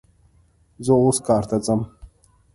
زه اوس کار ته ځم